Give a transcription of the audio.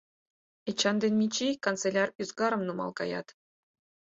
Эчан ден Мичий канцелярий ӱзгарым нумал каят.